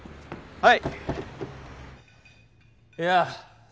はい。